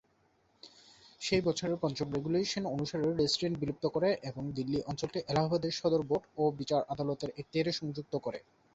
সেই বছরের পঞ্চম রেগুলেশন অনুসারে রেসিডেন্ট বিলুপ্ত করে এবং দিল্লি অঞ্চলটি এলাহাবাদে সদর বোর্ড ও বিচার আদালতের এখতিয়ারে সংযুক্ত করে।